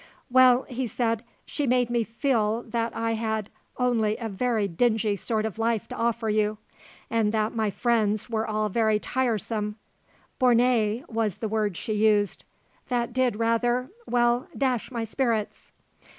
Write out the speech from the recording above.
"Well," he said, "she made me feel that I had only a very dingy sort of life to offer you and that my friends were all very tiresome borné was the word she used. That did rather well dash my spirits."